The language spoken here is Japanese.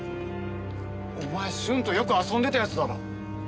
お前駿とよく遊んでた奴だろ。